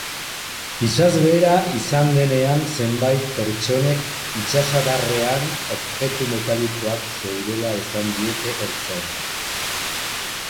Itsasbehera izan denean, zenbait pertsonek itsasadarrean objektu metalikoak zeudela esan diete ertzainei.